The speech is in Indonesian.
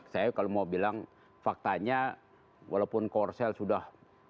saya kalau mau bilang faktanya walaupun korsel sudah